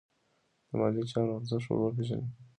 د مالي چارو ارزښت ور وپیژنئ.